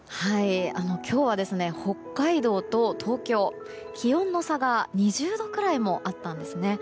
今日は、北海道と東京気温の差が２０度くらいもあったんですね。